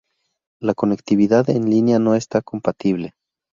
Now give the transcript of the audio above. La conectividad en línea no está compatible.